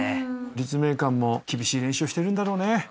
立命館も厳しい練習をしてるんだろうね。